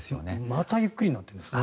またゆっくりになっているんですね。